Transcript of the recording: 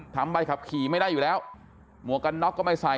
ใบขับขี่ไม่ได้อยู่แล้วหมวกกันน็อกก็ไม่ใส่